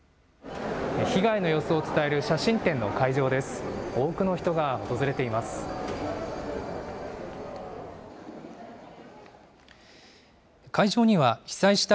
被害の様子を伝える写真展の会場です。